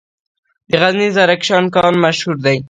د غزني د زرکشان کان مشهور دی